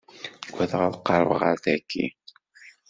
Ugadeɣ ad qerbeɣ ad tagi.